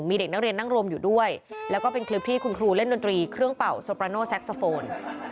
มีเด็กนักเรียนนั่งรวมอยู่ด้วยแล้วก็เป็นคลิปที่คุณครูเล่นดนตรีเครื่องเป่าโซปราโน่แซ็กโซโฟน